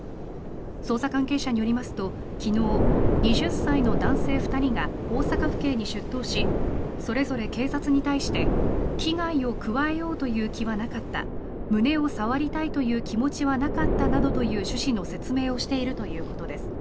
捜査関係者によりますと昨日、２０歳の男性２人が大阪府警に出頭しそれぞれ警察に対して危害を加えようという気はなかった胸を触りたいという気持ちはなかったなどという趣旨の説明をしているということです。